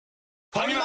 ファミマ！